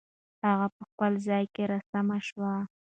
هغه په خپل ځای کې را سم شو.